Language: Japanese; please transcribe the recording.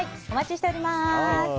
お待ちしております。